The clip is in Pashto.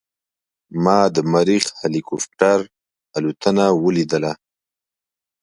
ما د مریخ هلیکوپټر الوتنه ولیدله.